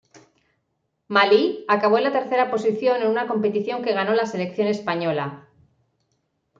Malí acabó en la tercera posición en una competición que ganó la selección española.